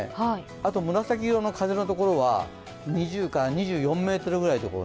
あと紫色の風のところは２０２４メートルぐらい。